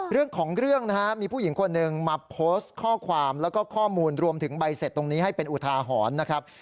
เรื่องของเรื่องนะฮะมีผู้หญิงคนหนึ่งมาโพสต์ข้อความแล้วก็ข้อมูลรวมถึงใบเสร็จตรงนี้ให้เป็นอุทาหรณ์นะครับ